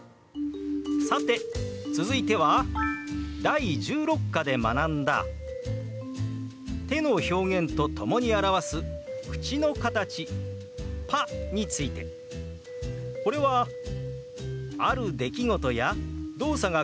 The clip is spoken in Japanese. さて続いては第１６課で学んだ手の表現と共に表す口の形「パ」について。これはある出来事や動作が完了したことを表す表現でしたね。